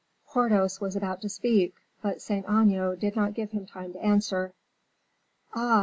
Porthos was about to speak, but Saint Aignan did not give him time to answer. "Ah!